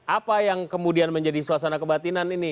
apa yang kemudian menjadi suasana kebatinan ini